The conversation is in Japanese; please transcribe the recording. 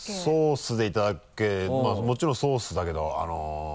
まぁもちろんソースだけど。